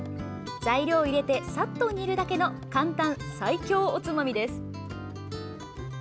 材料を入れてさっと煮るだけの簡単最強おつまみです。